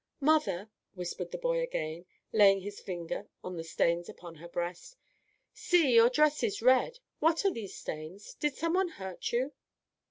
"Mother," whispered the boy again, laying his finger on the stains upon her breast, "see, your dress is red! What are these stains? Did some one hurt you?"